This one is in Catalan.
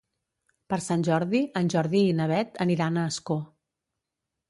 Per Sant Jordi en Jordi i na Beth aniran a Ascó.